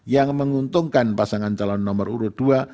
yang menguntungkan pasangan calon nomor urut dua